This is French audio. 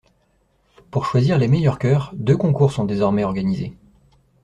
Pour choisir les meilleurs chœurs, deux concours sont désormais organisés.